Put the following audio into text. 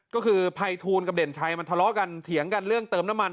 ก็คือภัยทูลกับเด่นชัยมันทะเลาะกันเถียงกันเรื่องเติมน้ำมัน